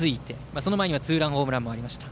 その前にはツーランホームランもありました。